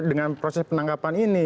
dengan proses penangkapan ini